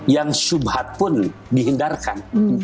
yang subhad pun dihindarkan